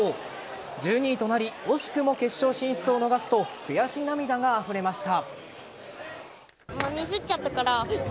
１２位となり惜しくも決勝進出を逃すと悔し涙があふれました。